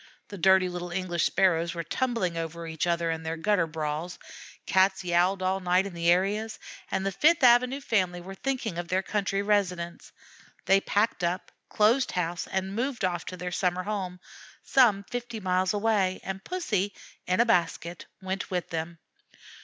The dirty little English Sparrows were tumbling over each other in their gutter brawls, Cats yowled all night in the areas, and the Fifth Avenue family were thinking of their country residence. They packed up, closed house and moved off to their summer home, some fifty miles away, and Pussy, in a basket, went with them.